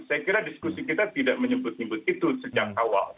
saya kira diskusi kita tidak menyebut nyebut itu sejak awal